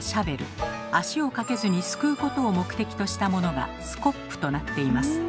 足をかけずにすくうことを目的としたものが「スコップ」となっています。